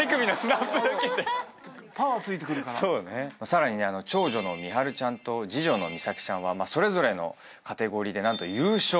さらにね長女の美晴ちゃんと次女の美咲ちゃんはそれぞれのカテゴリーで何と優勝。